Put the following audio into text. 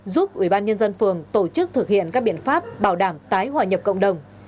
giúp ubnd phường tổ chức thực hiện các biện pháp bảo đảm tái hòa nhập cộng đồng